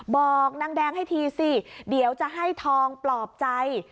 บอกนางแดงให้ทีสิเดี๋ยวจะให้ทองปลอบใจ